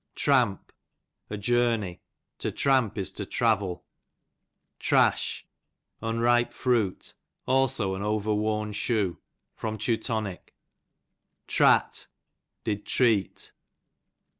Tramp, a journey, to tramp is to travel. Tx&sh., unripe fruit ; also an over ivorn shoe. Teu. Trat, did treat.